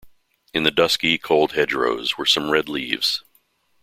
In the dusky, cold hedgerows were some red leaves.